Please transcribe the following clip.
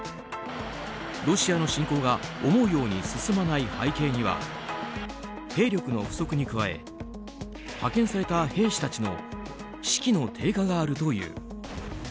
ロシアの侵攻が思うように進まない背景には兵力の不足に加え派遣された兵士たちの士気の低下があるという。